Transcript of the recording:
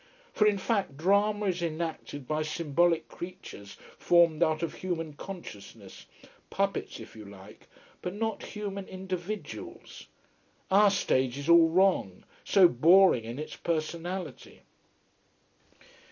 For in fact drama is enacted by symbolic creatures formed out of human consciousness: puppets if you like: but not human individuals. Our stage is all wrong, so boring in its personality.